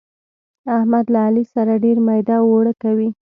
احمد له علي سره ډېر ميده اوړه کوي.